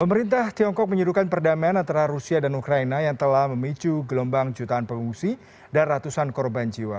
pemerintah tiongkok menyuruhkan perdamaian antara rusia dan ukraina yang telah memicu gelombang jutaan pengungsi dan ratusan korban jiwa